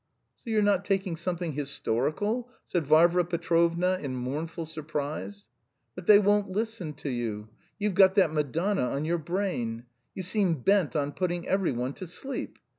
"So you're not taking something historical?'" said Varvara Petrovna in mournful surprise. "But they won't listen to you. You've got that Madonna on your brain. You seem bent on putting every one to sleep!